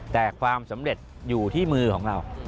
แต่ความสำเร็จอยู่ที่มือของเรา